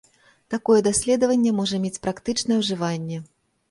Такое даследаванне можа мець практычнае ўжыванне.